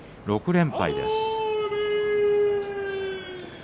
６連敗です。